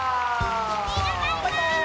みんなバイバーイ！